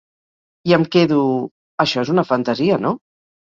I em quedo… ‘Això és una fantasia, no?’